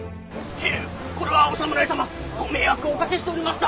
へえこれはお侍様ご迷惑をおかけしておりますだ。